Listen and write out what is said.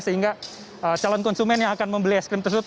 sehingga calon konsumen yang akan membeli es krim tersebut